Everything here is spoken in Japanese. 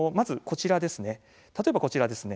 例えばこちらですね。